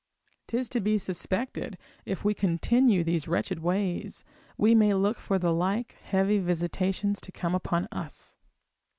'Tis to be suspected, if we continue these wretched ways, we may look for the like heavy visitations to come upon us.